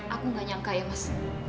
aku gak nyangka ya mas